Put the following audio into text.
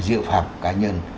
dự phạm cá nhân